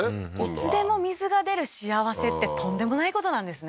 いつでも水が出る幸せってとんでもないことなんですね